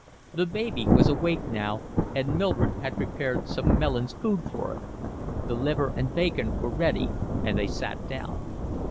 The baby was awake now, and Mildred had prepared some Mellin's Food for it. The liver and bacon were ready and they sat down.